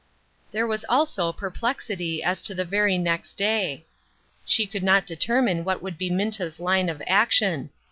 There was also perplexity as to the very next day. She could not determine what would be Minta's line of action.